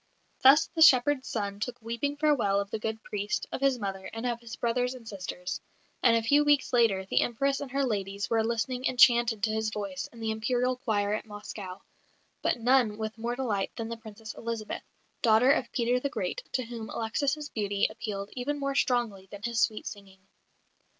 Thus the shepherd's son took weeping farewell of the good priest, of his mother, and of his brothers and sisters; and a few weeks later the Empress and her ladies were listening enchanted to his voice in the Imperial choir at Moscow but none with more delight than the Princess Elizabeth, daughter of Peter the Great, to whom Alexis' beauty appealed even more strongly than his sweet singing.